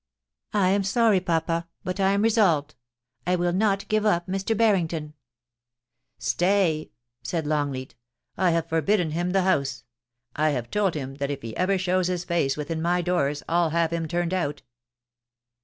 I am sorry, papa, but I am resolved : I will not give up Mr. Barrington !'* Stay !' said Longleat ;* I have forbidden him the house — I have told him that if he ever shows his face within my doors I'll have him turned out